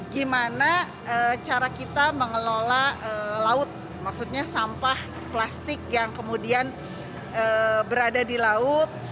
gimana cara kita mengelola laut maksudnya sampah plastik yang kemudian berada di laut